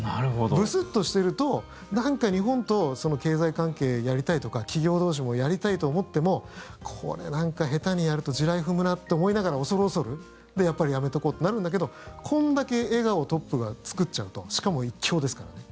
ブスッとしてると日本と経済関係やりたいとか企業同士もやりたいと思ってもこれ、なんか下手にやると地雷踏むなと思いながら恐る恐るでやっぱりやめておこうってなるんだけどこんだけ笑顔をトップが作っちゃうとしかも一強ですからね。